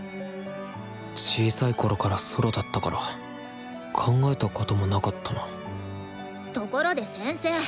小さいころからソロだったから考えたこともなかったなところで先生。